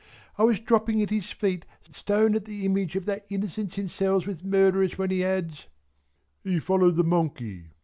I was dropping at his feet Stone at the image of that Innocence in cells with murderers when he adds "He followed the Monkey."